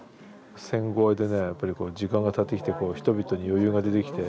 戦後でねやっぱり時間がたってきてこう人々に余裕が出てきて。